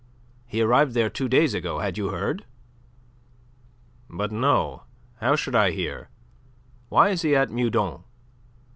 He arrived there two days ago. Had you heard?" "But no. How should I hear? Why is he at Meudon?"